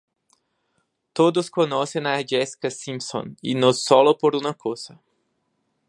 Todos conocen a Jessica Simpson, y no sólo por una cosa.